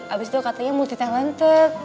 abis itu katanya multi talented